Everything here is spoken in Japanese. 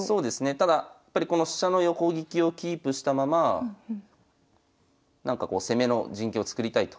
ただこの飛車の横利きをキープしたままなんかこう攻めの陣形を作りたいと。